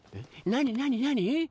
何何何？